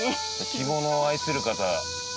着物を愛する方